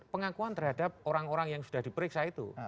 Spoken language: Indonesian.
pengakuan terhadap orang orang yang sudah diperiksa itu